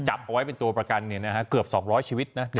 จับเอาไว้เป็นตัวประกันเนี่ยนะฮะเกือบสองร้อยชีวิตนะค่ะ